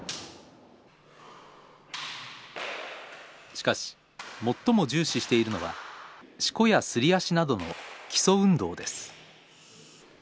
しかし最も重視しているのはしこやすり足などの基礎運動です。